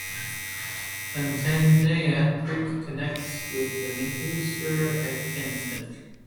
Contentnea Creek connects with the Neuse River at Kinston.